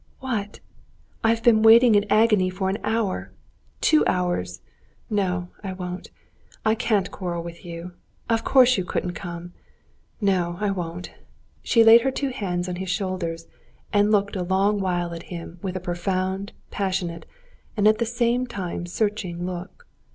"What? I've been waiting in agony for an hour, two hours ... No, I won't ... I can't quarrel with you. Of course you couldn't come. No, I won't." She laid her two hands on his shoulders, and looked a long while at him with a profound, passionate, and at the same time searching look.